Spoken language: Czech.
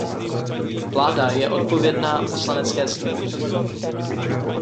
Vláda je odpovědna Poslanecké sněmovně.